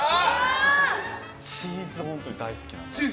チーズ、本当に大好きなんです。